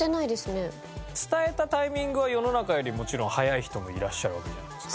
伝えたタイミングは世の中よりもちろん早い人もいらっしゃるわけじゃないですか。